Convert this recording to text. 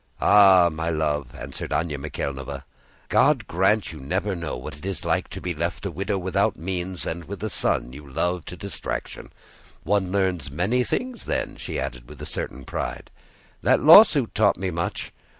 "Ah, my love," answered Anna Mikháylovna, "God grant you never know what it is to be left a widow without means and with a son you love to distraction! One learns many things then," she added with a certain pride. "That lawsuit taught me much.